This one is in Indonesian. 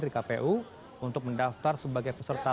di kpu untuk mendaftar sebagai pendaftaran politik